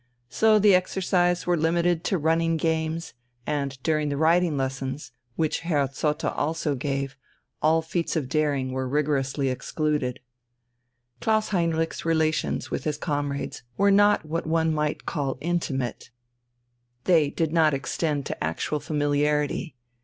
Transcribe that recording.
So the exercises were limited to running games, and during the riding lessons, which Herr Zotte also gave, all feats of daring were rigorously excluded. Klaus Heinrich's relations with his comrades were not what one might call intimate, they did not extend to actual familiarity.